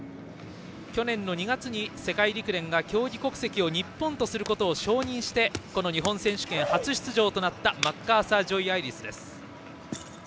去年の２月に世界陸連が競技国籍を日本とすることを承認して日本選手権初出場となったマッカーサー・ジョイアイリス。